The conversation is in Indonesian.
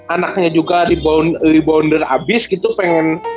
anaknya juga rebounder abis itu pengen